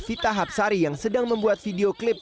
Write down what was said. vita hapsari yang sedang membuat video klip